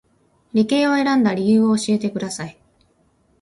理系を選んだ理由を教えてください